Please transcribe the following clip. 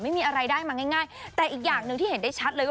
ไม่มีอะไรได้มาง่ายแต่อีกอย่างหนึ่งที่เห็นได้ชัดเลยว่า